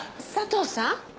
佐藤さん？